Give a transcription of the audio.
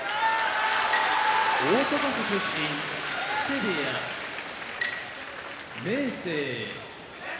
大阪府出身木瀬部屋明生